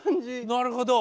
なるほど。